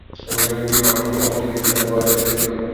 বিভিন্ন চক্করে অকৃত্রিম কিছুর সন্ধান পাওয়ার আশা ত্যাগ করেছিলাম।